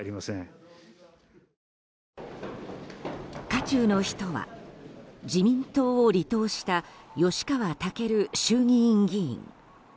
渦中の人は自民党を離党した吉川赳衆議院議員。